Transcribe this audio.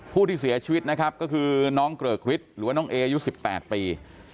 ผู้ที่เสียชีวิตนะครับก็คือน้องเกริกฤทธิ์หรือว่าน้องเออายุ๑๘ปี